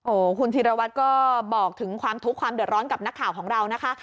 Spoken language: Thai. คุณธีรวัตรก็บอกถึงความทุกข์ความเดือดร้อนกับนักข่าวของเรานะคะ